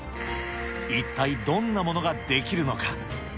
一体どんなものが出来るのか。